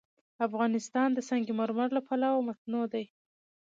افغانستان د سنگ مرمر له پلوه متنوع دی.